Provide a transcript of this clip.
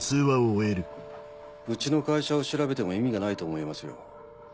うちの会社を調べても意味がないと思いますよ。